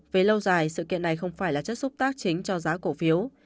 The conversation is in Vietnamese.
về lâu dài sự kiện này không phải là chất xúc tác chính cho giá cổ phiếu